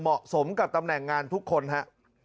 เหมาะสมกับตำแหน่งงานทุกคนครับ